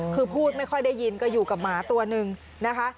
คือพูดไม่ค่อยได้ยินก็อยู่กับหมาตัวนึงนะคะ